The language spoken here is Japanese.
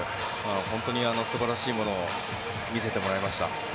本当に素晴らしいものを見せてもらいました。